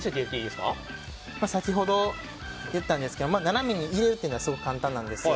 先ほど、やったんですけど斜めに入れるのはすごく簡単なんですよ。